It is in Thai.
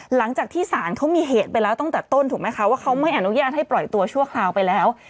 หลังจากที่ศาลเขามีเหตุไปแล้วตั้งแต่ต้นถูกไหมคะว่าเขาไม่อนุญาตให้ปล่อยตัวชั่วคราวไปแล้ว